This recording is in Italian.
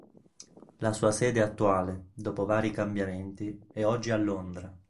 La sua sede attuale, dopo vari cambiamenti, è oggi a Londra.